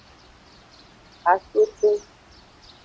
Hasoso.